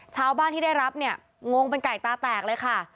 ชาวบ้านที่ได้รับเนี่ยงงเป็นไก่ตาแตกเลยค่ะ